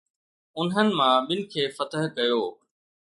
انهن مان ٻن کي فتح ڪيو